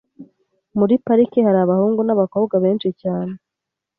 Muri parike hari abahungu nabakobwa benshi cyane.